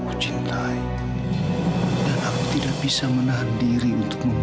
kecintai tidak bisa menahan diri untuk membutuhkan